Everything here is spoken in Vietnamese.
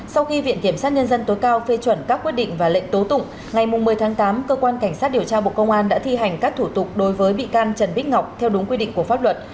sau khi viện kiểm sát nhân dân tối cao phê chuẩn các quyết định và lệnh tố tụng ngày một mươi tháng tám cơ quan cảnh sát điều tra bộ công an đã thi hành các thủ tục đối với bị can trần bích ngọc theo đúng quy định của pháp luật